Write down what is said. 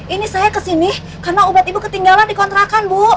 ini saya kesini karena ubat ibu ketinggalan dikontrakan bu